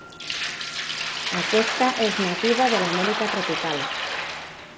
Aquesta és nativa de l'Amèrica tropical.